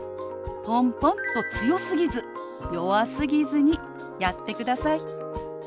ポンポンと強すぎず弱すぎずにやってください。